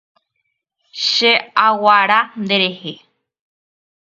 Cheaguara nderehe.